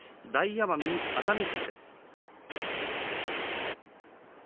奄美に熱海富士です。